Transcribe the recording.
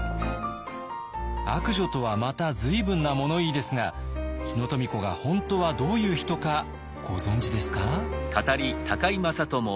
「悪女」とはまた随分な物言いですが日野富子が本当はどういう人かご存じですか？